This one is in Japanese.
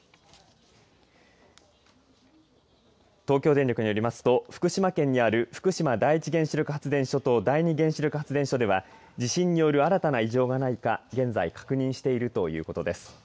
東京電力によりますと福島県にある福島第一原子力発電所と第２原子力発電所では地震による新たな異常がないか現在確認しているということです。